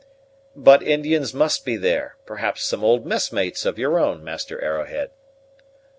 "But Indians must be there; perhaps some old mess mates of your own, Master Arrowhead."